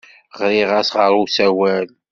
Ɣriɣ-as ɣer usawal.